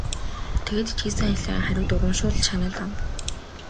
Тэгээд ч хийсэн ажлынхаа хариуд урамшуулал шагнал авна.